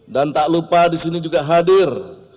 dan tak lupa disini juga hadir